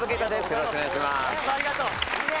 よろしくお願いしますいいね！